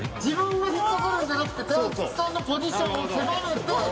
自分が引っかかるんじゃなくて大吉さんのポジションを狭めて。